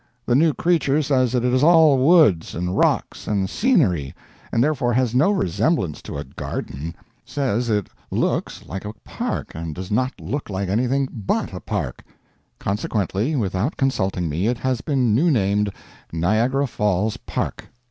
The new creature says it is all woods and rocks and scenery, and therefore has no resemblance to a garden. Says it _looks _like a park, and does not look like anything _but _a park. Consequently, without consulting me, it has been new named Niagara Falls Park.